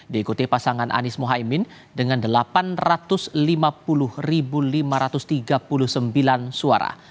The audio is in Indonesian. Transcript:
diikuti pasangan anies mohaimin dengan delapan ratus lima puluh lima ratus tiga puluh sembilan suara